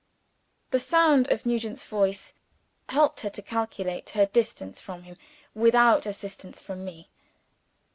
The sound of Nugent's voice helped her to calculate her distance from him without assistance from me.